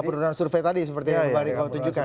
penurunan survei tadi seperti yang mbak ngeriko tunjukkan ya